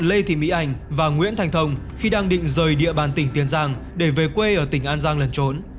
lê thị mỹ ảnh và nguyễn thành thông khi đang định rời địa bàn tỉnh tiền giang để về quê ở tỉnh an giang lần trốn